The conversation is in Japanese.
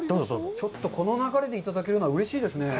ちょっとこの流れでいただけるのは、うれしいですね。